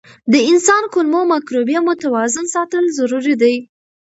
د انسان کولمو مایکروبیوم متوازن ساتل ضروري دي.